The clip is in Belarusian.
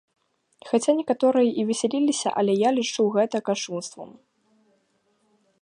Хаця некаторыя і весяліліся, але я лічу гэта кашчунствам.